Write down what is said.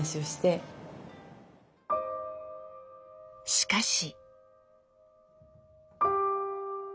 しかし。